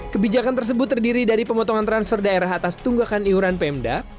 kebijakan tersebut terdiri dari pemotongan transfer daerah atas tunggakan iuran pemda